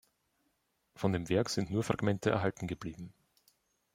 Von dem Werk sind nur Fragmente erhalten geblieben.